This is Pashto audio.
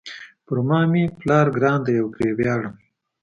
په ما مېپلار ګران ده او پری ویاړم